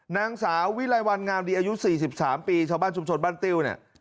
นางสาววิไลวันงามดีอายุ๔๓ปีชาวบ้านชุมชนบ้านติ้วเนี่ย